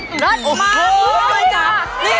ไอล์โหลดแล้วคุณหลานโหลดหรือยัง